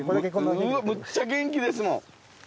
むっちゃ元気ですもん。